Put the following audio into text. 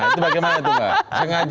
itu bagaimana itu pak